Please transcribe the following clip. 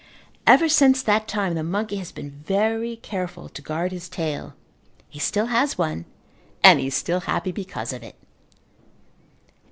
Ever since that time the monkey has been very careful to guard his tail. He still has one and he is still happy because of it.